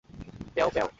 প্যাও, প্যাও!